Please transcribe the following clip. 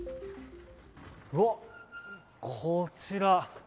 うわ、こちら。